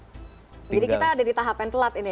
jadi kita ada di tahap yang telat ini ya